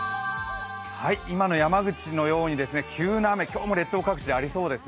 今の山口のように、急な雨、今日も列島各地でありそうです。